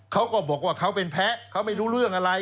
เขาก็บอกว่าเขาเป็นแพ้เขาไม่รู้เรื่องอะไร